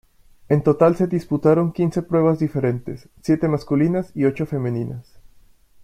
En total se disputaron quince pruebas diferentes, siete masculinas y ocho femeninas.